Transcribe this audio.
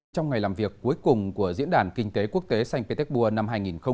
trong ngày làm việc cuối cùng của diễn đàn kinh tế quốc tế sanh pétek bua năm hai nghìn một mươi chín